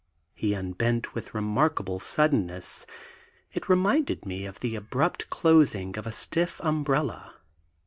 He unbent with remarkable suddenness; it reminded me of the abrupt closing of a stiff umbrella.